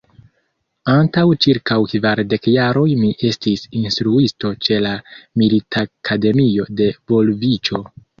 Antaŭ ĉirkaŭ kvardek jaroj mi estis instruisto ĉe la militakademio de Vulviĉo.